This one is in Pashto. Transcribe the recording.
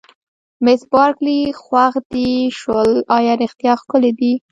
مس بارکلي: خوښ دې شول، ایا رښتیا ښکلي دي؟